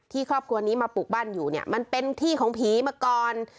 ที่ครอบครัวนี้มาปลูกบ้านอยู่มันเป็นที่ของผีเมื่อก่อน